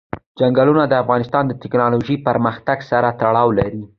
چنګلونه د افغانستان د تکنالوژۍ پرمختګ سره تړاو لري.